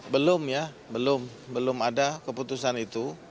belum ya belum belum ada keputusan itu